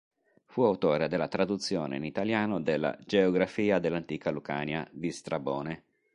Fu autore della traduzione in italiano della "Geografia dell'Antica Lucania" di Strabone.